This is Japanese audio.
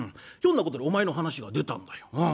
ひょんなことでお前の話が出たんだよ。